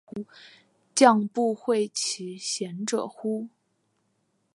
将不讳其嫌者乎？